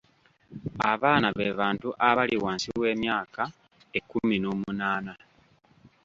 Abaana be bantu abali wansi w'emyaka ekkuminoomunaana.